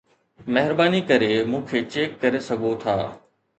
مهرباني ڪري مون کي چيڪ ڪري سگهو ٿا